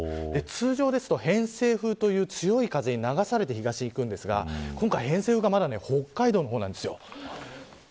通常ですと偏西風という強い風に流されて東にいくんですが今回、偏西風がまだ北海道の方なんです。